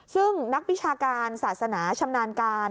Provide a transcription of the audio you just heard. ซึ่งนักวิชาการศาสนาชำนาญการ